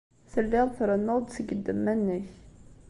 Telliḍ trennuḍ-d seg ddemma-nnek.